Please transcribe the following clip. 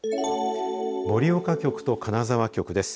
盛岡局と金沢局です。